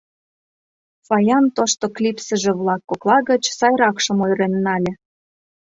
Фаян тошто клипсыже-влак кокла гыч сайракшым ойырен нале.